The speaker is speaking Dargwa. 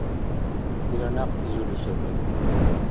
Дила някъ изули саби